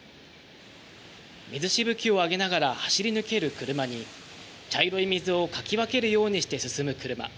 水しぶきを上げながら走り抜ける車に茶色い水をかき分けるようにして進む車。